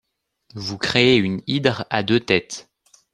Vous créez une hydre à deux têtes